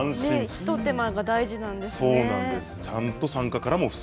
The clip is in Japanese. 一手間が大事なんですね。